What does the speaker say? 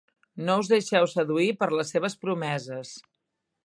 No us deixeu seduir per les seves promeses.